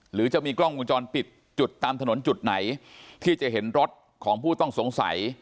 หรือจะมีกล้องวงจรปิดจุดตามถนนจุดไหนที่จะเห็นรถของผู้ต้องสงสัย